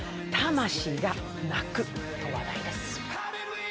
魂が泣くと話題です。